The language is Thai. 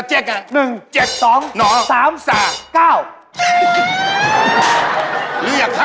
เจ๊ก